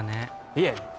いえ